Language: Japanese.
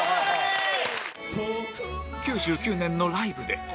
９９年のライブで